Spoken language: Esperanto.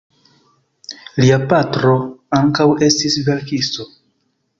Lia patro ankaŭ estis verkisto.